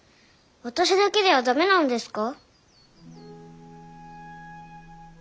私だけでは駄目なのですか。